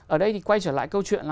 ở đây thì quay trở lại câu chuyện là